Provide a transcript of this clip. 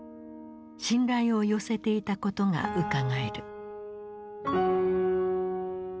信頼を寄せていたことがうかがえる。